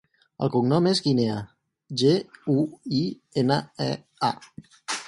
El cognom és Guinea: ge, u, i, ena, e, a.